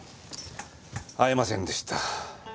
会えませんでした。